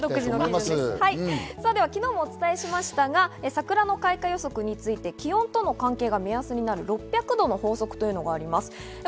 昨日もお伝えしましたが、桜の開花予測について気温との関係が目安になる６００度の法則というのがあります。